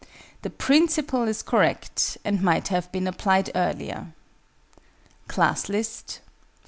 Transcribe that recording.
The principle is correct, and might have been applied earlier. CLASS LIST.